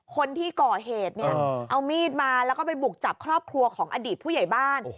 คนที่ก่อเหตุเนี่ยเอามีดมาแล้วก็ไปบุกจับครอบครัวของอดีตผู้ใหญ่บ้าน